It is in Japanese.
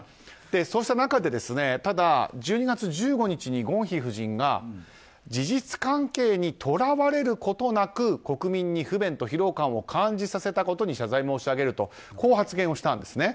そうした中でただ、１２月１５日にゴンヒ夫人が事実関係に捉われることなく国民に不便と疲労感を感じさせたことに謝罪申し上げると発言したんですね。